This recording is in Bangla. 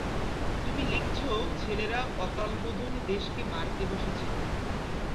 তুমি লিখছ– ছেলেরা অকালবোধনে দেশকে মারতে বসেছে।